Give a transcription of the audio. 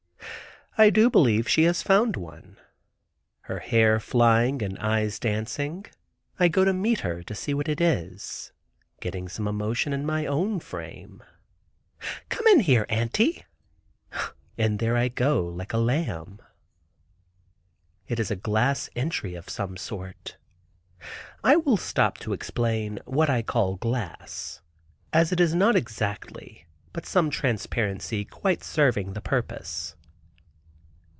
I do believe she has found one. Her hair flying and eyes dancing, I go to meet her, to see what it is; getting some emotion in my own frame. "Come in here, Auntie." In there I go, like a lamb. It is a glass entry of some sort. (I will stop to explain what I call glass, as it is not exactly, but some transparency quite serving the purpose.)